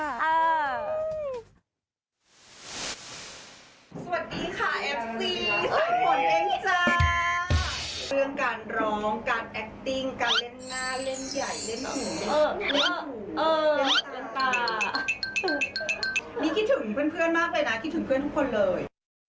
อ่าอืมนี่คิดถึงเพื่อนมากเลยนะคิดถึงเพื่อนทุกคนเลย